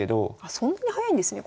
そんなに早いんですね